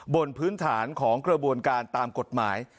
บนพื้นฐานของกระบวนการตามกฎหมาย